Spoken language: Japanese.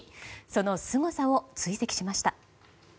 そのすごさを追跡しました。